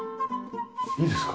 いいですか？